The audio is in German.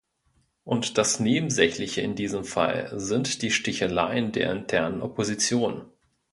Und das Nebensächliche in diesem Fall sind die Sticheleien der internen Opposition.